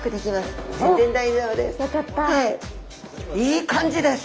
いい感じです！